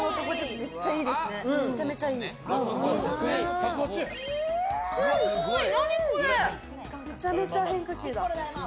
めちゃめちゃ変化球だ。